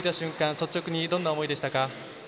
率直にどんな思いでしたか？